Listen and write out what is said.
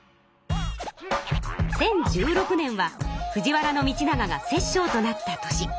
１０１６年は藤原道長が摂政となった年。